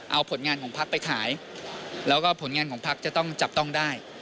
เอาผลงานของพักไปขายแล้วก็ผลงานของพักจะต้องจับต้องได้